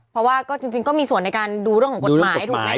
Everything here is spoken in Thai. เพราะว่าก็จริงก็มีส่วนในการดูเรื่องของกฎหมายถูกไหม